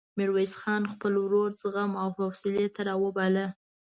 ميرويس خان خپل ورور زغم او حوصلې ته راوباله.